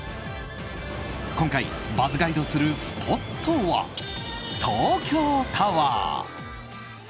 今回Ｂｕｚｚガイドするスポットは、東京タワー！